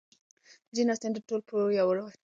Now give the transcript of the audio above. جین اسټن د ټولپوه روایت نوښتګر وکاراوه.